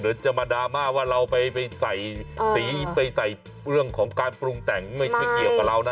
เดี๋ยวจะมาดราม่าว่าเราไปใส่เรื่องการปรุงแต่งไม่ชัดเหยียบกับเรานะ